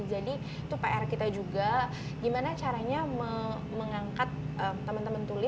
jadi itu pr kita juga gimana caranya mengangkat teman teman tuli